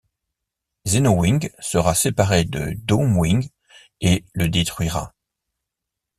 Zenowing sera séparé de Doomwing et le détruira.